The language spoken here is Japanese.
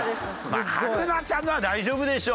まあ春奈ちゃんのは大丈夫でしょ。